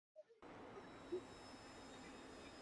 龟兹乐是古龟兹的音乐。